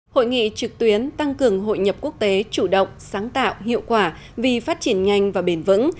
hội nghị trực tuyến tăng cường hội nhập quốc tế chủ động sáng tạo hiệu quả vì phát triển nhanh và bền vững